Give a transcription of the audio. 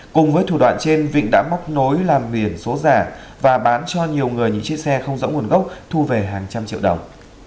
cùng với thủ đoạn trên vịnh đã móc nối làm biển số giả và bán cho nhiều người những chiếc xe không rõ nguồn gốc thu về hàng trăm triệu đồng